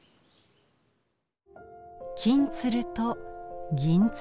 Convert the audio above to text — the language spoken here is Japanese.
金鶴と銀鶴。